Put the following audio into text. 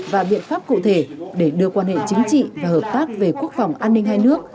và biện pháp cụ thể để đưa quan hệ chính trị và hợp tác về quốc phòng an ninh hai nước